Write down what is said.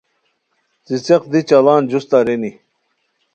څیڅیق دی چاڑان جوست ارینی